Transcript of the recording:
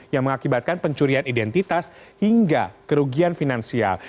yang mengakibatkan pencurian identitas hingga kerugian finansial